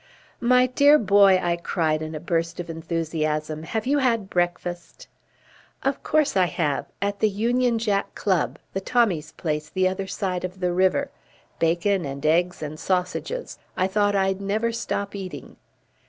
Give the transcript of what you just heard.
"My dear boy," I cried in a burst of enthusiasm, "have you had breakfast?" "Of course I have. At the Union Jack Club the Tommies' place the other side of the river bacon and eggs and sausages. I thought I'd never stop eating."